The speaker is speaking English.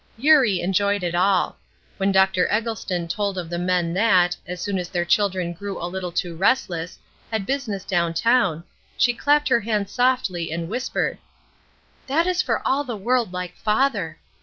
Eurie enjoyed it all. When Dr. Eggleston told of the men that, as soon as their children grew a little too restless, had business down town, she clapped her hands softly and whispered: "That is for all the world like father.